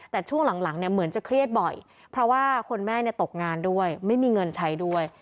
แต่ช่วงหลังเนี่ยเหมือนจะเครียดบ่อยเพราะว่าคนแม่ตกงานด้วยไม่มีเงินใช้ด้วย